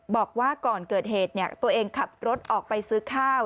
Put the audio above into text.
บอกว่าก่อนเกิดเหตุตัวเองขับรถออกไปซื้อข้าว